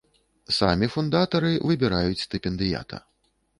Самі фундатары выбіраюць стыпендыята.